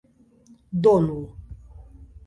donu